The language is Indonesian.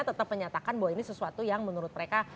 tetap menyatakan bahwa ini sesuatu yang menurut mereka